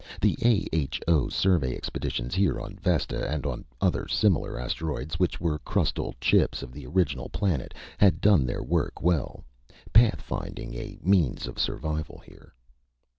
The A.H.O. survey expeditions, here on Vesta and on other similar asteroids which were crustal chips of the original planet, had done their work well, pathfinding a means of survival here.